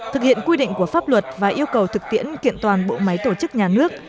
thực hiện quy định của pháp luật và yêu cầu thực tiễn kiện toàn bộ máy tổ chức nhà nước